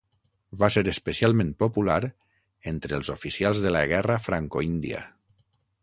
Va ser especialment popular entre els oficials de la Guerra Franco-Índia.